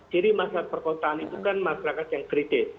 ciri masyarakat perkotaan itu kan masyarakat yang kritis